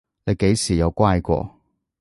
你幾時有乖過？